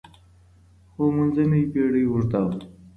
خو منځنۍ پېړۍ اوږده وه.